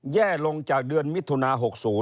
แย่ลงจากเดือนมิถุนา๖๐